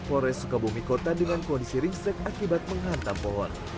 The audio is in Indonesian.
polres sukabumi kota dengan kondisi ringsek akibat menghantam pohon